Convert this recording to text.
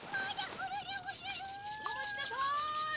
・お待ちなさい！